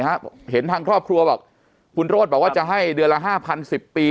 เห็นทางครอบครัวว่าคุณโรจบอกว่าจะให้เดือนละ๕๐๐๐๑๐ปี